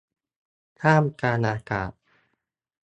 ท่ามกลางอากาศ